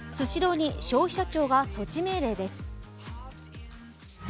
スシローに消費者庁が措置命令です。